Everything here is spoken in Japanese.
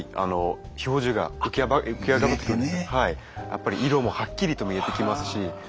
やっぱり色もはっきりと見えてきますし。